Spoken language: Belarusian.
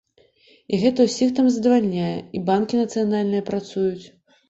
І гэта ўсіх там задавальняе, і банкі нацыянальныя працуюць.